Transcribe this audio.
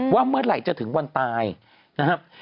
ว่าเมื่อไหร่จะถึงวันตายนะครับ